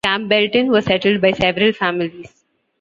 Campbellton was settled by several families.